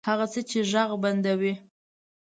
هغه څه چې ږغ بندوي